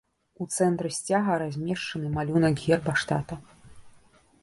У цэнтры сцяга размешчаны малюнак герба штата.